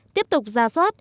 tiếp tục ra soát